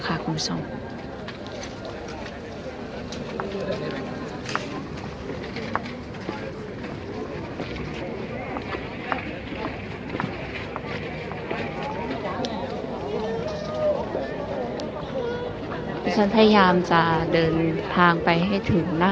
มันเป็นสิ่งที่จะให้ทุกคนรู้สึกว่ามันเป็นสิ่งที่จะให้ทุกคนรู้สึกว่า